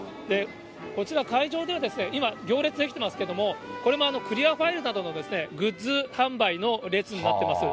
こちら、会場では今、行列出来てますけれども、これもクリアファイルなどのグッズ販売の列になってます。